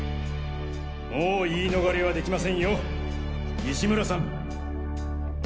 もう言い逃れはできませんよ西村さん。